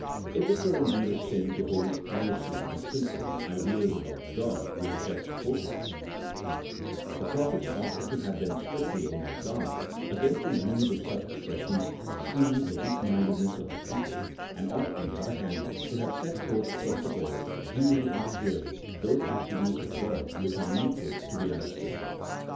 If it were indeed a sin to hold piously and simply the ideas about God we have just quoted, the prophets ought to have been strictly on their guard against the use of such expressions, seeing the weak mindedness of the people, and ought, on the other hand, to have set forth first of all, duly and clearly, those attributes of God which are needful to be understood.